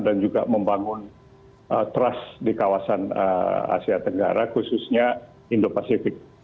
dan juga membangun trust di kawasan asia tenggara khususnya indo pasifik